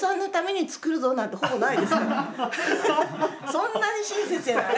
そんなに親切じゃない。